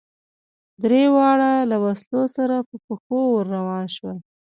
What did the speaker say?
درېواړه له وسلو سره په پښو ور روان شول.